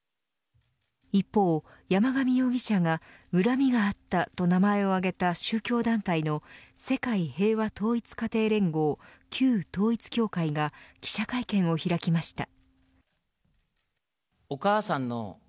一方、山上容疑者が恨みがあったと名前を挙げた宗教団体の世界平和統一家庭連合旧統一教会が記者会見を開きました。